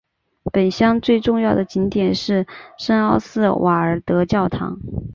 本乡最重要的景点是圣奥斯瓦尔德教堂。